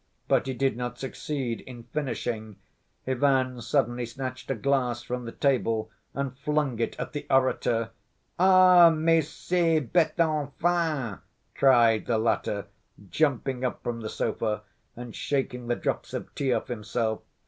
But he did not succeed in finishing; Ivan suddenly snatched a glass from the table and flung it at the orator. "Ah, mais c'est bête enfin," cried the latter, jumping up from the sofa and shaking the drops of tea off himself.